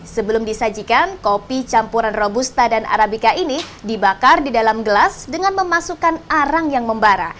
sebelum disajikan kopi campuran robusta dan arabica ini dibakar di dalam gelas dengan memasukkan arang yang membara